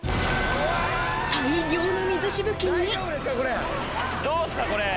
大量の水しぶきに。